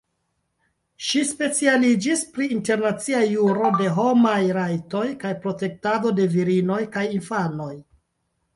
Ŝi specialiĝis pri Internacia juro de homaj rajtoj kaj protektado de virinoj kaj infanoj.